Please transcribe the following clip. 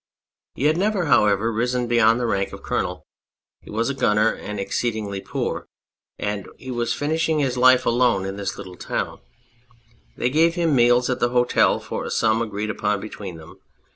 He had never, however, risen beyond the rank of colonel ; he was a gunner, and exceedingly poor, and he was finishing his life alone in this little town. They gave him meals at the hotel for a sum agreed upon between them.